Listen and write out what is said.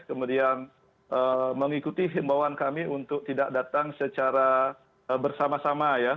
kemudian mengikuti himbauan kami untuk tidak datang secara bersama sama ya